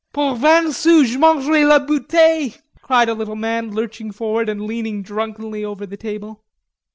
"Pour vingt sous j'mangerai la bouteille," cried a little man lurching forward and leaning drunkenly over the table.